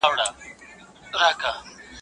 ورځه ورځه تر دکن تېر سې.